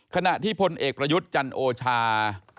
ขณะที่พลเอกประยุทธ์จันโอชา